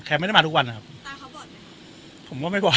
ไม่ได้มาทุกวันนะครับตาเขาบอกไหมครับผมก็ไม่บอก